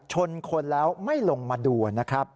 ชนคนแล้วไม่ลงมาดูนะครับ